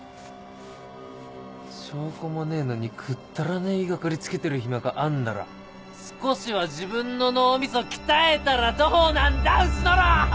証拠もねえのにくっだらねえ言い掛かりつけてる暇があんなら少しは自分の脳みそ鍛えたらどうなんだ⁉うすのろ！